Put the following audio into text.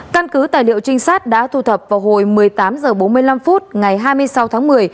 căn cứ tài liệu trinh sát đã thu thập vào hồi một mươi tám h bốn mươi năm phút ngày hai mươi sáu tháng một mươi